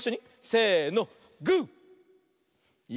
せの！